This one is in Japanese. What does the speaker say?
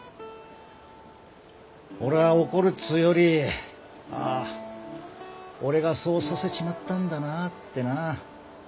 俺は怒るっつうよりああ俺がそうさせちまったんだなってな。